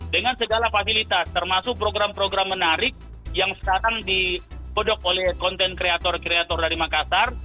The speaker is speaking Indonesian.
dengan segala fasilitas termasuk program program menarik yang sekarang dipodok oleh content creator kita